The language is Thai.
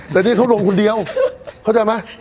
แต่นี่เขาลงคนเดียวเข้าใจไหม